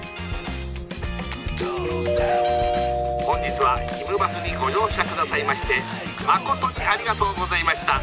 「本日はひむバスにご乗車下さいましてまことにありがとうございました。